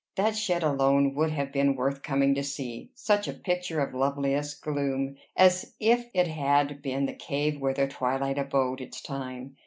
That shed alone would have been worth coming to see such a picture of loveliest gloom as if it had been the cave where the twilight abode its time!